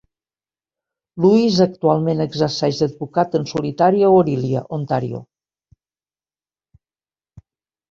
Lewis actualment exerceix d'advocat en solitari a Orillia, Ontario.